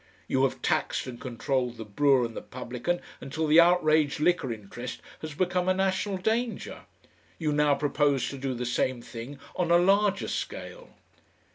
You have taxed and controlled the brewer and the publican until the outraged Liquor Interest has become a national danger. You now propose to do the same thing on a larger scale.